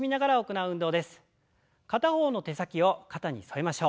片方の手先を肩に添えましょう。